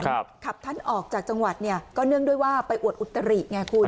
ขับท่านออกจากจังหวัดเนี่ยก็เนื่องด้วยว่าไปอวดอุตริไงคุณ